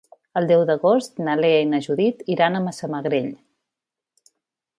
El deu d'agost na Lea i na Judit iran a Massamagrell.